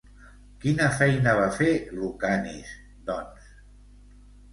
Quina feina va fer Lukanis, doncs?